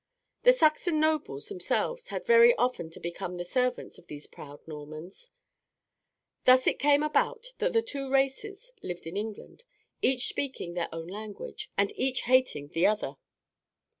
The Saxon nobles themselves had very often to become the servants of these proud Normans. Thus it came about that two races lived in England, each speaking their own language, and each hating the other.